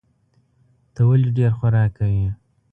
ته ولي ډېر خوراک کوې؟